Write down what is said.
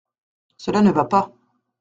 Cela ne va pas.